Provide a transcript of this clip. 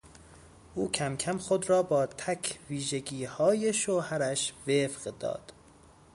او کمکم خود را با تک ویژگیهای شوهرش وفق داد.